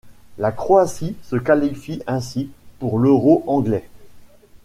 La Croatie se qualifie ainsi pour l'Euro anglais.